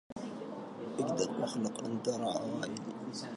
أجدر وأخلق أن ترن عوائدي